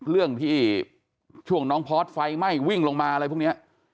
เรื่องที่ช่วงน้องพอร์ตไฟไหม้วิ่งลงมาอะไรพวกนี้